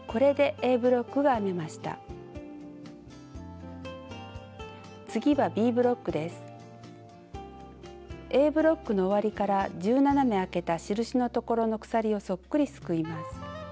Ａブロックの終わりから１７目あけた印のところの鎖をそっくりすくいます。